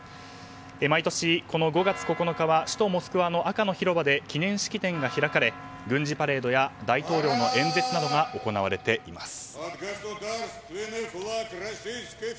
毎年、この５月９日は首都モスクワの赤の広場で記念式典が開かれ軍事パレードや大統領の演説などが行われています。